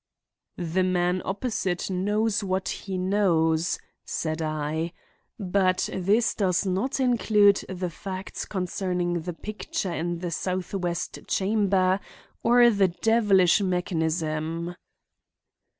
"The man opposite knows what he knows," said I; "but this does not include the facts concerning the picture in the southwest chamber or the devilish mechanism."